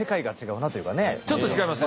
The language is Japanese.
ちょっと違いますか？